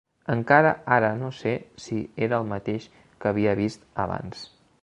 Encara ara no sé si era el mateix que havia vist abans